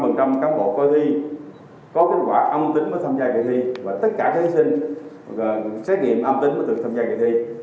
tức là một trăm linh cán bộ coi thi có kết quả âm tính với tham gia kỳ thi và tất cả thí sinh xét nghiệm âm tính với tham gia kỳ thi